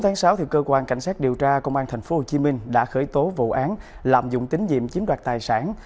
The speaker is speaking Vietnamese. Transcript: ngày một mươi bốn sáu cơ quan cảnh sát điều tra công an tp hcm đã khởi tố vụ án lạm dụng tín nhiệm chiếm đoạt tài sản